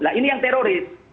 nah ini yang teroris